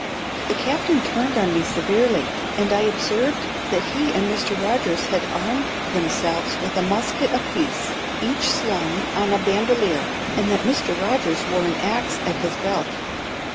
The Captain turned on me severely, and I observed that he and Mr. Rogers had armed themselves with a musket apiece, each slung on a bandolier, and that Mr. Rogers wore an axe at his belt.